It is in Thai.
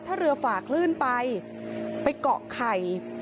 ถ้าเรือฝ่าคลื่นไปไปเกาะไข่